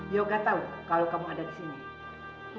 yoga tahu kalau kamu ada di sini